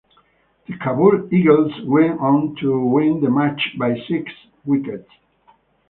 The Kabul Eagles went on to win the match by six wickets.